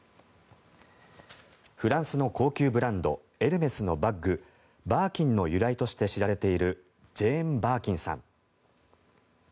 フランスの高級ブランドエルメスのバッグバーキンの由来として知られているジェーン・バーキンさん。